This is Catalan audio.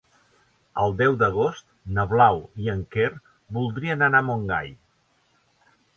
El deu d'agost na Blau i en Quer voldrien anar a Montgai.